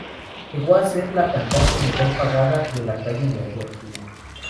Llegó a ser la cantante mejor pagada de la calle neoyorquina.